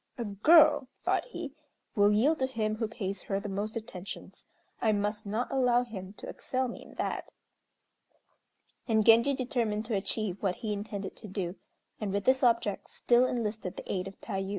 "A girl," thought he, "will yield to him who pays her the most attentions. I must not allow him to excel me in that." And Genji determined to achieve what he intended to do, and with this object still enlisted the aid of Tayû.